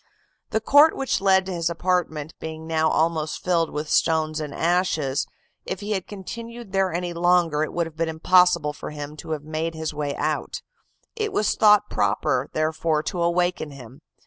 The court which led to his apartment being now almost filled with stones and ashes, if he had continued there any longer it would have been impossible for him to have made his way out; it was thought proper, therefore, to awaken him.